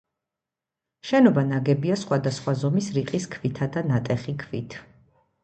შენობა ნაგებია სხვადასხვა ზომის რიყის ქვითა და ნატეხი ქვით.